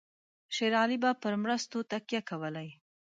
شېر علي به پر مرستو تکیه کولای.